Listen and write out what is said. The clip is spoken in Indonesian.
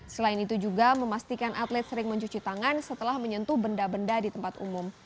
selain itu juga memastikan atlet sering mencuci tangan setelah menyentuh benda benda di tempat umum